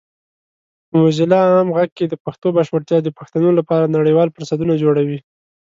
په موزیلا عام غږ کې د پښتو بشپړتیا د پښتنو لپاره نړیوال فرصتونه جوړوي.